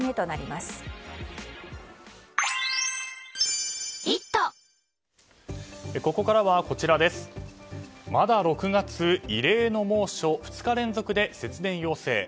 まだ６月、異例の猛暑２日続けての節電要請。